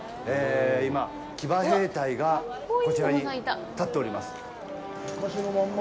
今、騎馬兵隊がこちらに立っております。